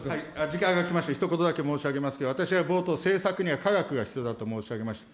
時間が来ました、ひと言だけ申し上げますが、私は冒頭、政策には科学が必要だと申し上げました。